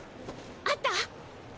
あった！？